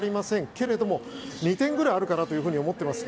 けれども、２点ぐらいあるかなと思っています。